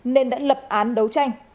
nên đã lập án đấu tranh